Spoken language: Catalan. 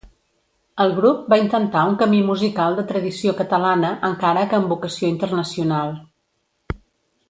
El grup va intentar un camí musical de tradició catalana, encara que amb vocació internacional.